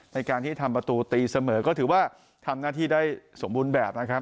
ในการที่ทำประตูตีเสมอก็ถือว่าทำหน้าที่ได้สมบูรณ์แบบนะครับ